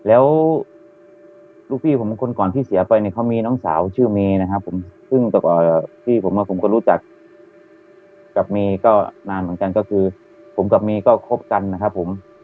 แล้วลูกพี่ผมคนก่อนที่เสียไปเนี่ยเขามีน้องสาวชื่อเมย์นะครับผมซึ่งพี่ผมผมก็รู้จักกับเมย์ก็นานเหมือนกันก็คือผมกับเมย์ก็คบกันนะครับผม